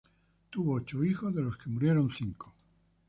Tuvo ocho hijos de los que murieron cinco.